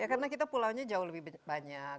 karena kita pulaunya jauh lebih banyak